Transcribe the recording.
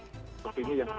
seperti ini ya